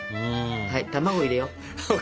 はい卵入れよう。ＯＫ。